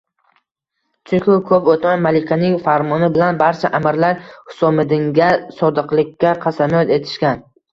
Chunki, ko‘p o‘tmay, malikaning farmoni bilan barcha amirlar Husomiddinga sodiqlikka qasamyod etishgan